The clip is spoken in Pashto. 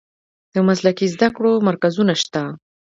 د مسلکي زده کړو مرکزونه شته؟